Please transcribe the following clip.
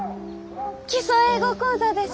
「基礎英語講座」です。